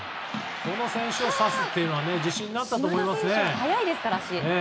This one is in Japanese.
この選手を刺すというのは自信があったと思います。